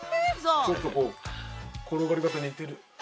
ちょっとこう転がり方似てる。